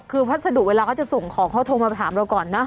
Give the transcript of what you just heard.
คือพัสดุเวลาเขาจะส่งของเขาโทรมาถามเราก่อนนะ